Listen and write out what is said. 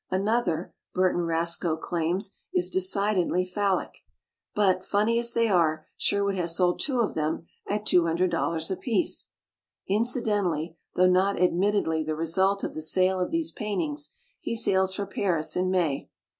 Another, Bur ton Rascoe claims, is decidedly phallic. But, funny as they are, Sherwood has sold two of them at two hundred dol lares apiece. Incidentally, though not admittedly the result of the sale of these paintings, he sails for Paris in May."